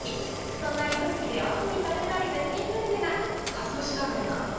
そんな指宿で秋に食べたい絶品グルメが。